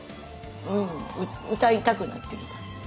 うん歌いたくなってきた。